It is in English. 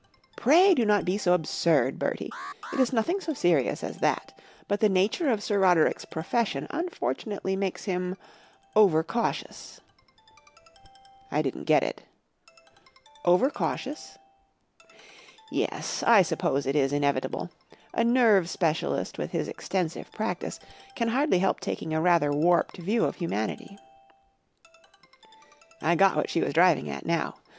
fi Pray do not be so absurd, Bertie, It is nothing so serious as that. But the nature of Sir Roderick's profession unfortunately makes 1 1 i tn —o ver ca u t io us." ] didn'tQHgfaal from p MMW&ITY OF MICHIGAN ■ P, G. Wodehouse vJ 'y Over cautious ?"" Yes. I suppose it is inevitable, A nerve specialist with his extensive practice can hardly help taking a rather warped view of humanity/' T got what she was driving at now.